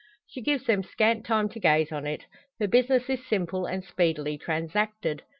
She gives them scant time to gaze on it. Her business is simple, and speedily transacted.